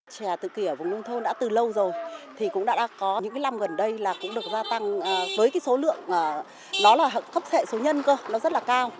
trẻ tự kỷ ở vùng nông thôn đã từ lâu rồi thì cũng đã có những cái năm gần đây là cũng được gia tăng với cái số lượng nó là thấp thệ số nhân cơ nó rất là cao